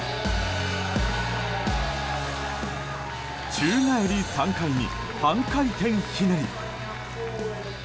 宙返り３回に半回転ひねり。